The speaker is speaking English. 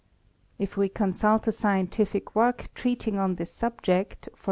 If we consult a scientific work treating on this subject, e.